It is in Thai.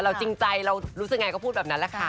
จริงใจเรารู้สึกยังไงก็พูดแบบนั้นแหละค่ะ